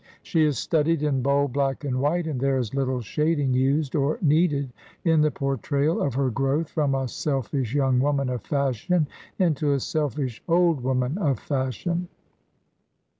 She is studied in bold black and white; and there is Httle shading used or needed in the portrayal of her growth from a selfish young woman of fashion into a selfish old woman of fashion.